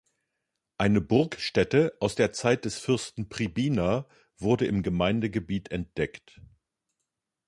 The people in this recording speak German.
Eine Burgstätte aus der Zeit des Fürsten Pribina wurde im Gemeindegebiet entdeckt.